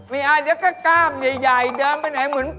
ไม่อดเดี๋ยวก็ก้ามใหญ่เดิมไปไหนเหมือนก